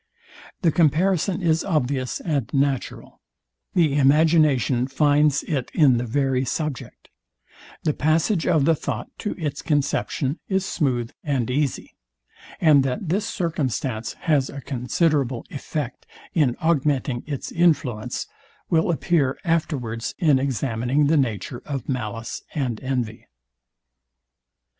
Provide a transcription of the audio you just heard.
The comparison is obvious and natural: The imagination finds it in the very subject: The passage of the thought to its conception is smooth and easy. And that this circumstance has a considerable effect in augmenting its influence, will appear afterwards in examining the nature of malice and envy.